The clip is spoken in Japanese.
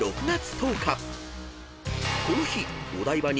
［この日］